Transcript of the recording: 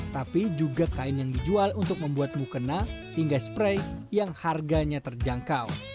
tapi juga kain yang dijual untuk membuat mukena hingga spray yang harganya terjangkau